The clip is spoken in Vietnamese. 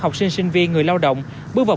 học sinh sinh viên người lao động bước vào